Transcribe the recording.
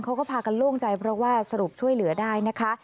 เขาก็พากันโล่งใจเพราะว่าสรุปช่วยเหลือได้นะคะ